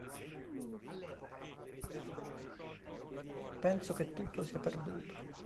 Penso che tutto sia perduto.